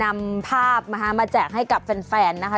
มาแจกให้กับแฟนนะคะ